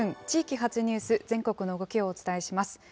地域発ニュース、全国の動きをお伝えします。